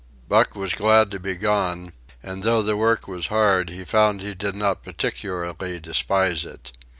Buck was glad to be gone, and though the work was hard he found he did not particularly despise it.